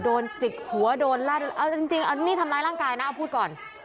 โดนจิกหัวโดนลั่นจริงอันนี้ทำร้ายร่างกายนะพูดก่อน